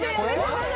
まだ。